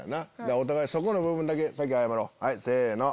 お互いそこの部分だけ先謝ろうはいせの。